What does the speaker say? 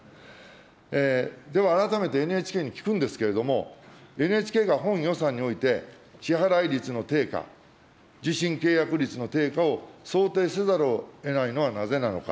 では改めてＮＨＫに聞くんですけれども、ＮＨＫが本予算において、支払率の低下、受信契約率の低下を想定せざるをえないのはなぜなのか。